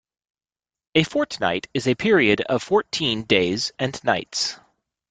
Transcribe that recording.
A fortnight is a period of fourteen days and nights